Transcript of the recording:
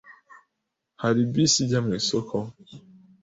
Hari bisi ijya mu isoko?